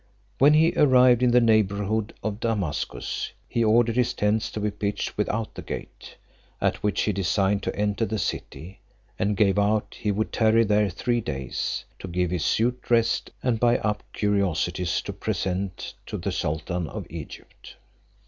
When he arrived in the neighbourhood of Damascus, he ordered his tents to be pitched without the gate, at which he designed to enter the city; and gave out he would tarry there three days, to give his suit rest, and buy up curiosities to present to the sultan of Egypt.